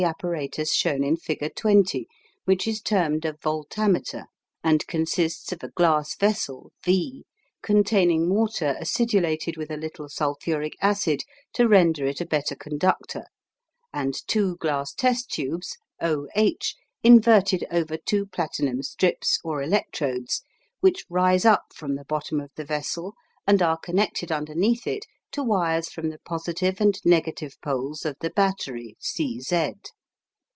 apparatus shown in figure 20, which is termed a voltameter, and consists of a glass vessel V, containing water acidulated with a little sulphuric acid to render it a better conductor, and two glass test tubes OH inverted over two platinum strips or electrodes, which rise up from the bottom of the vessel and are connected underneath it to wires from the positive and negative poles of the battery C Z.